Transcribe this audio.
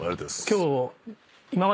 今日。